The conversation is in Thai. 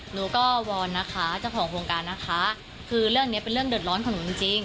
หนูก็วอนนะคะเจ้าของโครงการนะคะคือเรื่องเนี้ยเป็นเรื่องเดือดร้อนของหนูจริงจริง